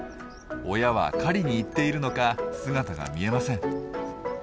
親は狩りに行っているのか姿が見えません。